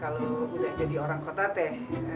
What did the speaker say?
kalau udah jadi orang kota teh